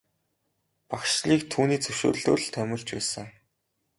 Багш нарыг түүний зөвшөөрлөөр л томилж байсан.